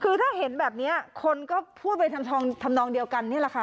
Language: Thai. คือถ้าเห็นแบบนี้คนก็พูดไปทำนองเดียวกันนี่แหละค่ะ